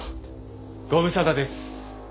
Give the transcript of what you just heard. ご無沙汰です。